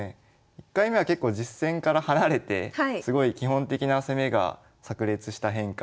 １回目は結構実戦から離れてすごい基本的な攻めがさく裂した変化を解説したんですけど。